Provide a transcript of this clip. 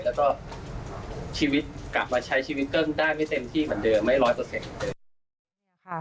แล้วก็ชีวิตกลับมาใช้ชีวิตเกิ้งได้ไม่เต็มที่เหมือนเดิมไม่ร้อยเปอร์เซ็นต์